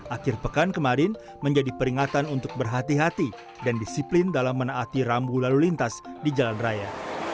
akhir pekan kemarin menjadi peringatan untuk berhati hati dan disiplin dalam menaati rambu lalu lintas di jalan raya